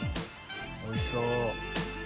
おいしそう。